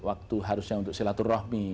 waktu harusnya untuk silaturahmi